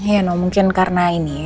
ya mungkin karena ini